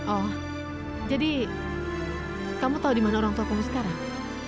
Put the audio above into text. oh jadi kamu tahu di mana orangtuamu sekarang